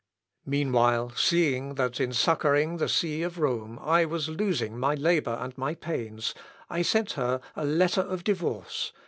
"Meanwhile, seeing that in succouring the see of Rome, I was losing my labour and my pains, I sent her a letter of divorce.